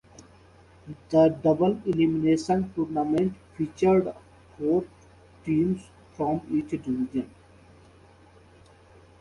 The double elimination tournament featured four teams from each division.